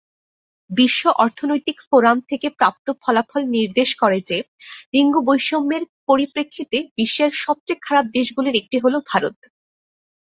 বিশ্ব অর্থনৈতিক ফোরাম থেকে প্রাপ্ত ফলাফল নির্দেশ করে যে লিঙ্গ বৈষম্যের পরিপ্রেক্ষিতে বিশ্বের সবচেয়ে খারাপ দেশগুলির একটি হল ভারত।